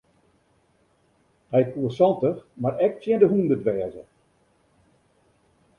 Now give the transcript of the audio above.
Hy koe santich mar ek tsjin de hûndert wêze.